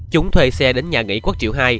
chúng thuê xe đến nhà nghị quốc triệu hai